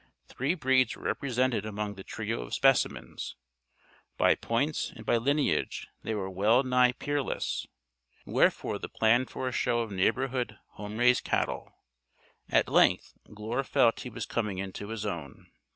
Three breeds were represented among the trio of specimens. By points and by lineage they were well nigh peerless. Wherefore the plan for a show of neighborhood "home raised" cattle. At length Glure felt he was coming into his own.